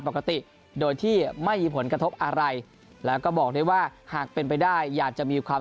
ปกติโดยที่ไม่มีผลกระทบอะไรแล้วก็บอกได้ว่าหากเป็นไปได้อยากจะมีความ